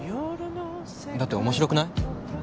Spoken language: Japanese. だって面白くない？